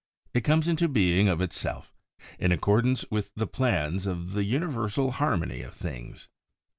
It comes into being of itself, in accordance with the plans of the universal harmony of things.